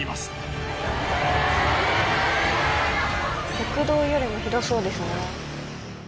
酷道よりもひどそうですね。